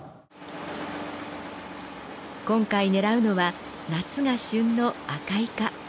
今回狙うのは夏が旬のアカイカ。